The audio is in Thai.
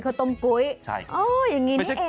อ๋ออย่างงี้เนี่ย